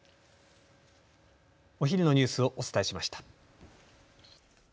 お昼のニュースをお伝えしました。